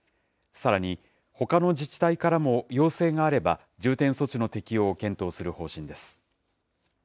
さらに、ほかの自治体からも要請があれば、重点措置の適用を検討する方針です。